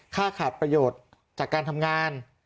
ค่าขาดประโยชน์จากการทำงาน